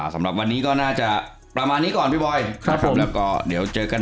สำหรับวันนี้ก็น่าจะประมาณนี้ก่อนพี่บอยครับผมแล้วก็เดี๋ยวเจอกัน